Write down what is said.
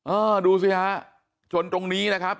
อ่าดูสิฮะชนตรงนี้นะครับ